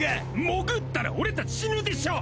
潜ったら俺達死ぬでしょ！